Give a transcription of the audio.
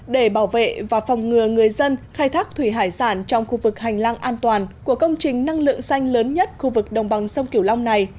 để bảo vệ và phòng ngừa người dân khai thác thủy hải sản trong khu vực hành lang an toàn của công trình năng lượng xanh lớn nhất khu vực đồng bằng sông kiểu long này